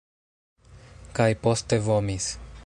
Kaj poste vomis.